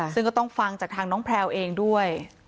ซึ่งก็ต้องฟังจากทางน้องแพลวเองด้วย